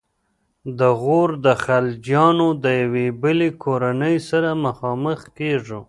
د غور د خلجیانو د یوې بلې کورنۍ سره مخامخ کیږو.